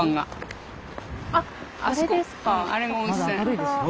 あっあれですか。